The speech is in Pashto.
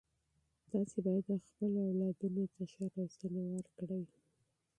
تاسې باید خپلو اولادونو ته ښه روزنه ورکړئ.